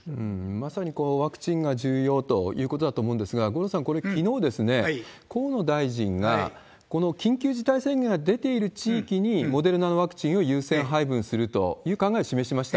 まさにワクチンが重要ということだと思うんですが、五郎さん、きのうですね、河野大臣が、この緊急事態宣言が出ている地域にモデルナのワクチンを優先配分するという考えを示しました。